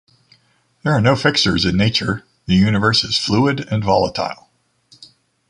There are no fixtures in nature. The universe is fluid and volatile.